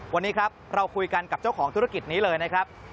วันนี้ครับเราคุยกันกับเจ้าของธุรกิจนี้เลยนะครับ